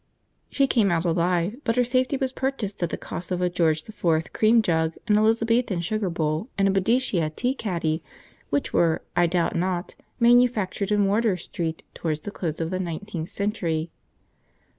She came out alive, but her safety was purchased at the cost of a George IV. cream jug, an Elizabethan sugar bowl, and a Boadicea tea caddy, which were, I doubt not, manufactured in Wardour Street towards the close of the nineteenth century.